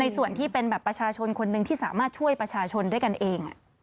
ส่วนที่เป็นแบบประชาชนคนหนึ่งที่สามารถช่วยประชาชนด้วยกันเอง